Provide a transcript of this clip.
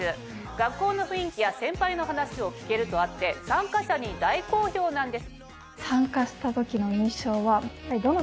学校の雰囲気や先輩の話を聞けるとあって参加者に大好評なんです。